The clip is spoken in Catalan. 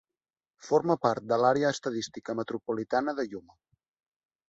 Forma part de l'Àrea Estadística Metropolitana de Yuma.